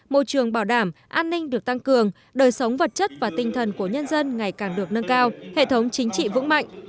môi trường bảo đảm an ninh được tăng cường đời sống vật chất và tinh thần của nhân dân ngày càng được nâng cao hệ thống chính trị vững mạnh